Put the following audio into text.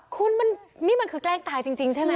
คุณมันนี่มันคือแกล้งตายจริงใช่ไหม